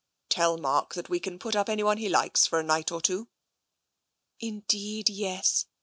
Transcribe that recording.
" Tell Mark that we can put up anyone he likes, for a night or two." " Indeed, yes.